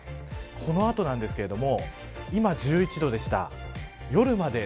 この後なんですけど今、１１度でした。